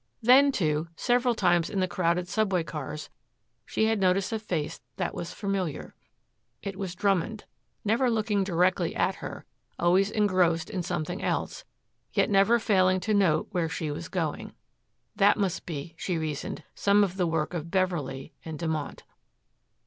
Then, too, several times in the crowded subway cars she had noticed a face that was familiar. It was Drummond, never looking directly at her, always engrossed in something else, yet never failing to note where she was going. That must be, she reasoned, some of the work of Beverley and Dumont.